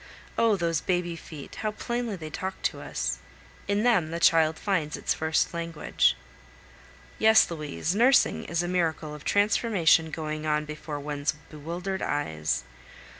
Oh! those baby feet, how plainly they talk to us! In them the child finds its first language. Yes, Louise, nursing is a miracle of transformation going on before one's bewildered eyes.